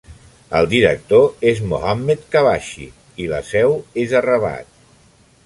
El director és Mohammed Khabbachi i la seu és a Rabat.